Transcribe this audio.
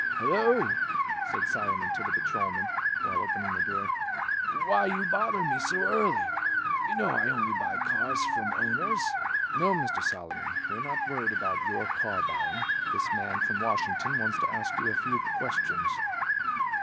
"Hello," said Solomon to the patrolman, while opening the door. "Why you bother me so early? You know I only buy cars from owners." "No, Mr. Solomon, we're not worried about your car buying. This man, from Washington, wants to ask you a few questions."